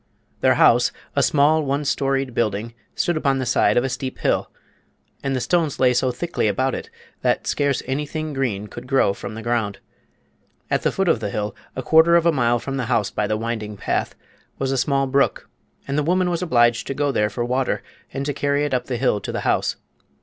Their house, a small, one storied building, stood upon the side of a steep hill, and the stones lay so thickly about it that scarce anything green could grow from the ground. At the foot of the hill, a quarter of a mile from the house by the winding path, was a small brook, and the woman was obliged to go there for water and to carry it up the hill to the house.